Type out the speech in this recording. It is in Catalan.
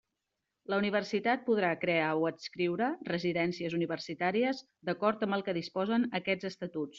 La Universitat podrà crear o adscriure residències universitàries d'acord amb el que disposen aquests Estatuts.